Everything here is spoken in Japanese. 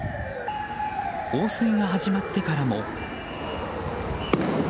放水が始まってからも。